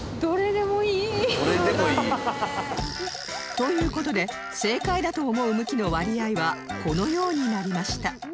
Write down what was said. という事で正解だと思う向きの割合はこのようになりました